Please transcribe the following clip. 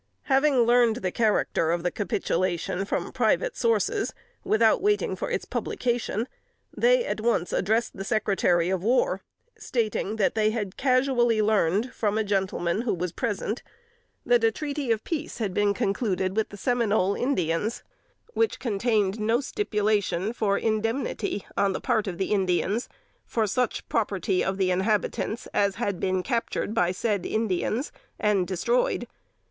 Having learned the character of the capitulation from private sources, without waiting for its publication, they at once addressed the Secretary of War, stating they had casually learned from a gentleman who was present, that a treaty of peace had been concluded with the Seminole Indians which contained "no stipulation for indemnity, on the part of the Indians, for such property of the inhabitants as had been captured by said Indians, and destroyed.